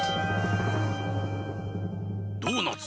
ドーナツ。